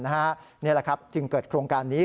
นี่แหละครับจึงเกิดโครงการนี้